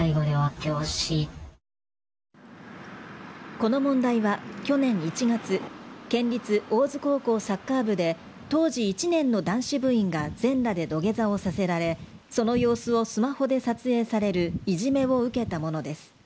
この問題は去年１月県立大津高校サッカー部で当時１年の男子部員が全裸で土下座をさせられその様子をスマホで撮影されるいじめを受けたものです。